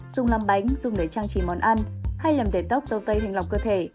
dùng làm bánh dùng để trang trì món ăn hay làm thể tóc dâu tây thành lọc cơ thể